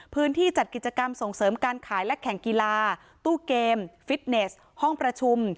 จัดกิจกรรมส่งเสริมการขายและแข่งกีฬาตู้เกมฟิตเนสห้องประชุม